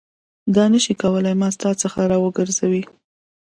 دا نه شي کولای ما ستا څخه راوګرځوي.